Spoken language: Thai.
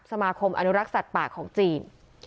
สมาคมอนุรักษ์สัตว์ป่าของจีน